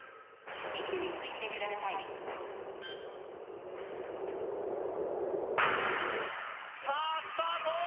位置についてくださいさあスタート